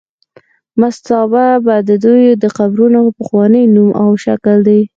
مستابه د دوی د قبرونو پخوانی نوم او شکل دی.